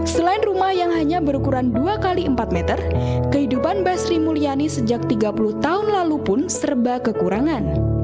selain rumah yang hanya berukuran dua x empat meter kehidupan mbah sri mulyani sejak tiga puluh tahun lalu pun serba kekurangan